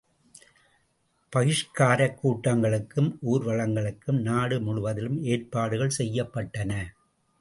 பகிஷ்காரக் கூட்டங்களுக்கும் ஊர்வலங்களுக்கும் நாடு முழுவதிலும் ஏற்பாடுகள் செய்யப்பட்டன.